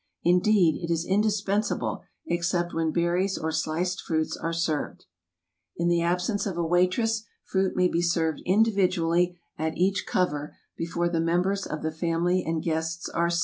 Indeed, it is indispen sable except when berries or sliced fruits are served. In the absence of a waitress, fruit may be served individually at each cover before the members of the family and guests are seated.